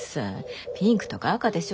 ピンクとか赤でしょ。